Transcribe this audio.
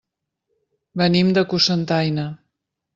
Venim de Cocentaina.